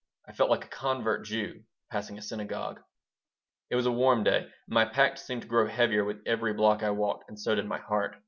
I felt like a convert Jew passing a synagogue It was a warm day. My pack seemed to grow heavier with every block I walked, and so did my heart.